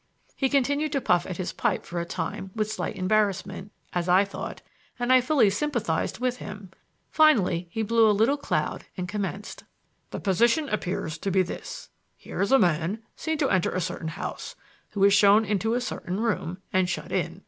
He continued to puff at his pipe for a time with slight embarrassment, as I thought and I fully sympathized with him. Finally he blew a little cloud and commenced: "The position appears to be this: Here is a man seen to enter a certain house, who is shown into a certain room, and shut in.